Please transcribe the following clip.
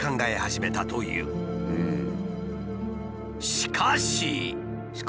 しかし？